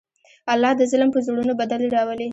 الله د ظلم په زړونو بدلې راولي.